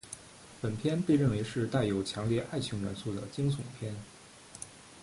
本片被认为是带有强烈爱情元素的惊悚片。